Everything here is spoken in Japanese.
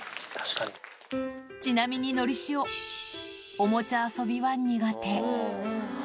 ちなみにのりしお、おもちゃ遊びは苦手。